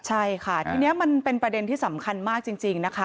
ใช่ค่ะทีนี้มันเป็นประเด็นที่สำคัญมากจริงนะคะ